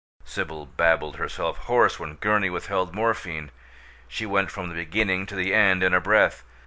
Sibyl babbled herself hoarse when Gurney withheld morphine. She went from the beginning to the end in a breath.